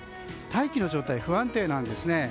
大気の状態が不安定なんですね。